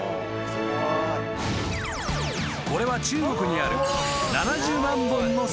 ［これは中国にある］